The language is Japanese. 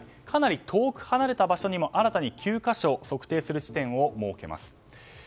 かなり遠く離れた場所にも新たに９か所測定する地点を設けます。